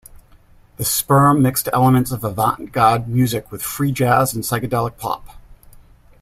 The Sperm mixed elements of avant-garde music with free jazz and psychedelic pop.